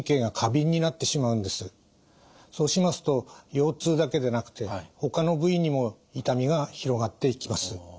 そうしますと腰痛だけでなくてほかの部位にも痛みが広がっていきます。